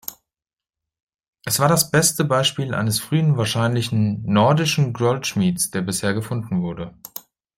Es war das beste Beispiel eines frühen, wahrscheinlich nordischen Goldschmiedes, der bisher gefunden wurde.